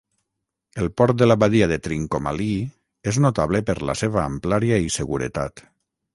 El port de la badia de Trincomalee és notable per la seva amplària i seguretat.